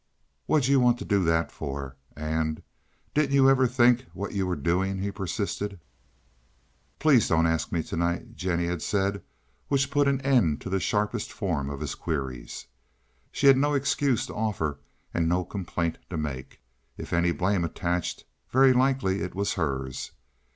"What'd you want to do that for?" and "Didn't you ever think what you were doing?" he persisted. "Please don't ask me to night," Jennie had said, which put an end to the sharpest form of his queries. She had no excuse to offer and no complaint to make. If any blame attached, very likely it was hers.